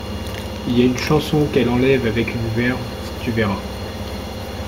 Il y a une chanson qu'elle enlève avec une verve, tu verras …